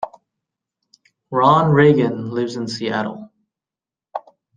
Ron Reagan lives in Seattle.